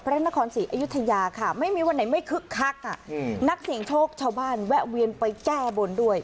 พระนครศรีอยุธยาค่ะไม่มีวันไหนไม่คึกคักนักเสียงโชคชาวบ้านแวะเวียนไปแก้บนด้วย